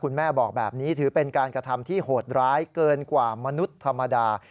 แม่บอกแบบนี้ถือเป็นการกระทำที่โหดร้ายเกินกว่ามนุษย์ธรรมดา